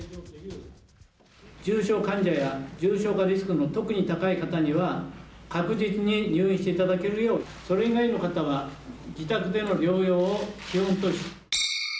重症患者や重症化リスクの特に高い方には、確実に入院していただけるよう、それ以外の方は、自宅での療養を基本とし。